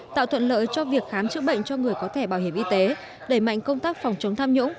tạo thuận lợi cho việc khám chữa bệnh cho người có thẻ bảo hiểm y tế đẩy mạnh công tác phòng chống tham nhũng